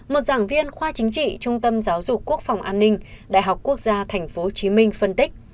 một giảng viên khoa chính trị trung tâm giáo dục quốc phòng an ninh đại học quốc gia tp hcm phân tích